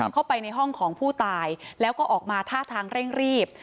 เข้าไปในห้องของผู้ตายแล้วก็ออกมาท่าทางเร่งรีบ